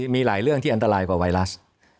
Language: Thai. มีหลายเรื่องที่อันตรายกว่าไวรัส